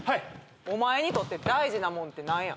お前にとって大事なもんって何や？